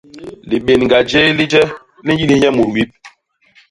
Libénga jéé li je li nyilis nye mut wip.